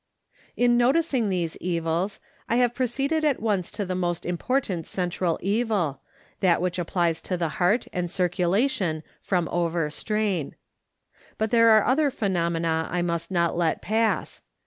In noticing these evils I have proceeded at once to the most important central evil, that which applies to the heart and circu lation from overstrain. But there are other phenomena I must not let pass.